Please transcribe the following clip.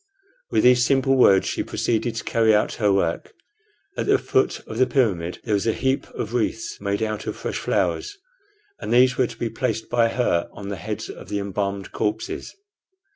With these simple words she proceeded to carry out her work. At the foot of the pyramid there was a heap of wreaths made out of fresh flowers, and these were to be placed by her on the heads of the embalmed corpses.